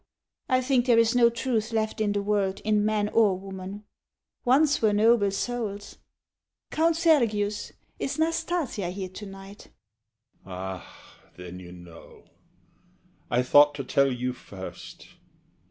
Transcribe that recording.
I think there is no truth left in the world, In man or woman. Once were noble souls. Count Sergius, is Nastasia here to night? HE. Ah! then you know! I thought to tell you first.